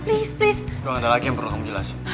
please please gue gak ada lagi yang perlu kamu jelasin